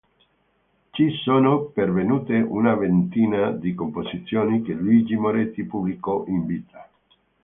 Ci sono pervenute una ventina di composizioni che Luigi Moretti pubblicò in vita.